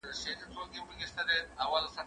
زه اوږده وخت د تکړښت لپاره ځم،